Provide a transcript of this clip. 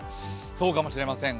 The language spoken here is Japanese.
そうかもしれません。